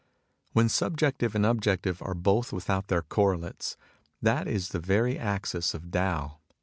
"When subjective and objective are both without their correlates, that is the very axis of Tao.